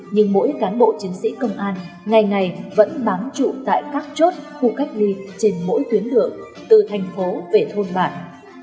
nhưng mỗi cán bộ chiến sĩ công an ngày ngày vẫn bám trụ tại các chốt khu cách ly trên mỗi tuyến đường từ thành phố về thôn bản